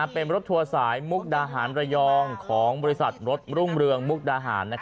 เป็นรถทัวร์สายมุกดาหารระยองของบริษัทรถรุ่งเรืองมุกดาหาร